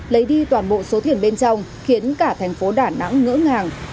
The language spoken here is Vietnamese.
lấy đi toàn bộ số thuyền bên trong khiến cả thành phố đà nẵng ngỡ ngàng